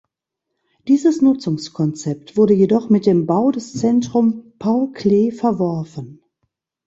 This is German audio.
Dieses Nutzungskonzept wurde jedoch mit dem Bau des Zentrum Paul Klee verworfen.